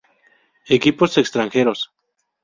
Equipos extranjeros